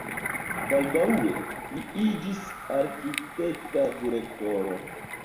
Baldaŭe li iĝis arkitekta direktoro.